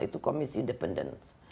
itu komisi independen